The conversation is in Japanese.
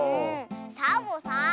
サボさん